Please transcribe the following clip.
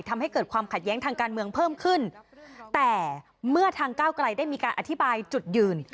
เมื่อทางก้าวกลายได้มีการอธิบายจุดยืน